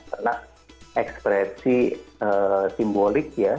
karena ekspresi simbolik ya